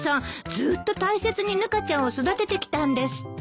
ずーっと大切にぬかちゃんを育ててきたんですって。